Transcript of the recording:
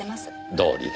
どうりで。